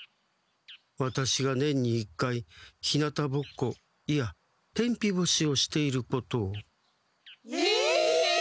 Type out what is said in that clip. ワタシが年に一回ひなたぼっこいや天日干しをしていることを。え！？